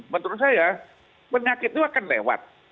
menurut saya penyakit itu akan lewat